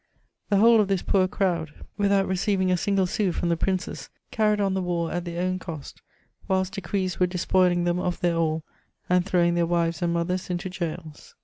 The whole of this poor crowd, without CHATEAUBRIAm). 343 leceiying & single sou from die piinees, carried on the war at tlieir own cost, whilst decrees weie desp^ng them of tfaek all, and throwing their wives and mothers into gaols.